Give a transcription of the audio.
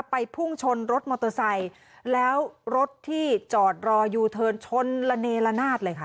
พุ่งชนรถมอเตอร์ไซค์แล้วรถที่จอดรอยูเทิร์นชนละเนละนาดเลยค่ะ